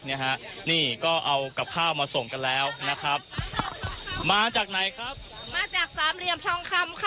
นี่ฮะนี่ก็เอากับข้าวมาส่งกันแล้วนะครับมาจากไหนครับมาจากสามเหลี่ยมทองคำค่ะ